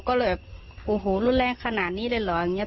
ก็เลยแบบโอ้โหรุนแรงขนาดนี้เลยเหรอ